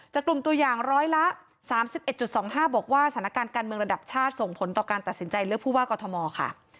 กลุ่มตัวอย่างร้อยละ๓๑๒๕บอกว่าสถานการณ์การเมืองระดับชาติส่งผลต่อการตัดสินใจเลือกผู้ว่ากอทมค่ะ